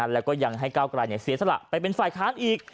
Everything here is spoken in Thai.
แล้วก็ยังให้ก้าวกลายเสียสละไปเป็นฝ่ายค้านอีก